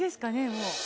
もう。